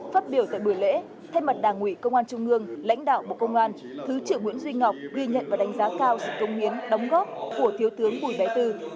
đặc biệt tại bữa lễ thay mặt đảng ủy công an trung ương lãnh đạo bộ công an thứ trưởng nguyễn duy ngọc ghi nhận và đánh giá cao sự công nghiến đóng góp của thiếu tướng bùi bé tư